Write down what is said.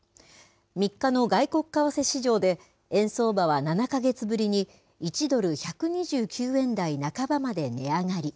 ３日の外国為替市場で、円相場は７か月ぶりに１ドル１２９円台半ばまで値上がり。